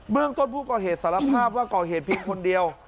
เรื่องต้นผู้ก่อเหตุสารภาพว่าก่อเหตุเพียงคนเดียว